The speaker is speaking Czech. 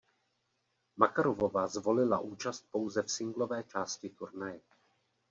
Makarovová zvolila účast pouze v singlové části turnaje.